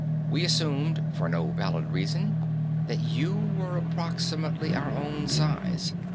We assumed, for no valid reason, that you were approximately our own size.